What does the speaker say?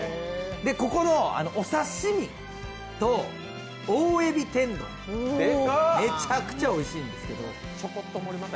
ここのお刺身と大海老天丼、めちゃくちゃおいしいんですけど。